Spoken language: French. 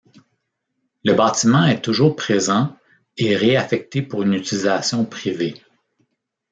Le bâtiment est toujours présent et réaffecté pour une utilisation privée.